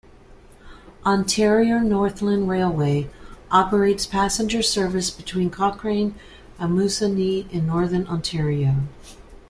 Ontario Northland Railway operates passenger service between Cochrane and Moosonee in Northern Ontario.